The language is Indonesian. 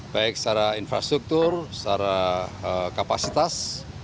baik secara infrastruktur secara kapasitas